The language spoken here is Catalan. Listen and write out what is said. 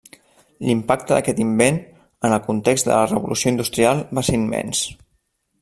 L'impacte d'aquest invent, en el context de la Revolució industrial, va ser immens.